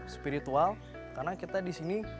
spiritual karena kita disini